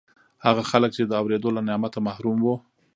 هغه خلک چې د اورېدو له نعمته محروم وو